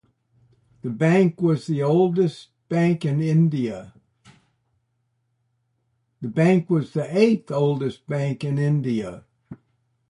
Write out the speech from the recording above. The bank was the eighth oldest bank in India.